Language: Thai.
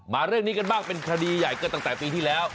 เรื่องนี้กันบ้างเป็นคดีใหญ่ก็ตั้งแต่ปีที่แล้ว